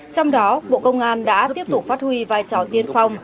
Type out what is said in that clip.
trong đó bộ công an đã tiếp tục phát huy vai trò tiên phong